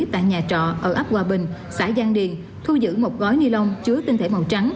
tại nhà trọ ở ấp hòa bình xã giang điền thu giữ một gói ni lông chứa tinh thể màu trắng